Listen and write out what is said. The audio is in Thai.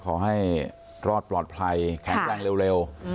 ขอให้รอดปลอดภัยแข็งแรงเร็ว